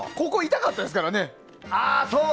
痛かったですからね。